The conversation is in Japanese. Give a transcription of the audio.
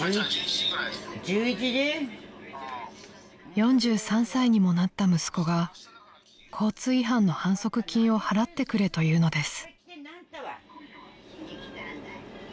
［４３歳にもなった息子が交通違反の反則金を払ってくれというのです］